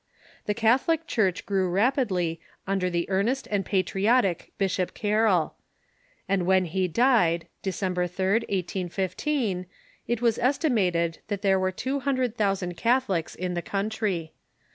The Catholic Church grew rap idly under the earnest and patriotic Bishop Carroll ; and when he died, December 3d, 1815, it was estimated that there were two hundred thousand Catholics in the country.